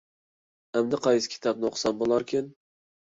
ئەمدى قايسى كىتابنى ئوقۇسام بولاركىن؟